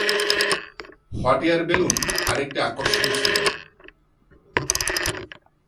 Hot air balloon আরেকটি আকর্ষণ ছিল।